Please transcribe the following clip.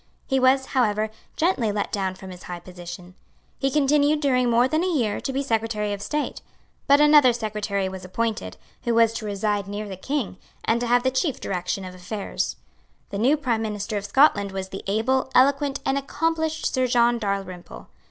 He was, however, gently let down from his high position. He continued during more than a year to be Secretary of State; but another Secretary was appointed, who was to reside near the King, and to have the chief direction of affairs. The new Prime Minister for Scotland was the able, eloquent and accomplished Sir John Dalrymple.